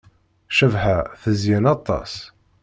Cabḥa tezyen aṭas.